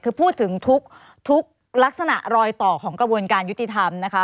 คือพูดถึงทุกลักษณะรอยต่อของกระบวนการยุติธรรมนะคะ